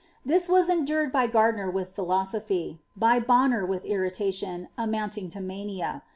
This was endured by Gardiner with philosophy; by Bonner with irritation, amounting to mania.